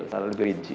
secara lebih rinci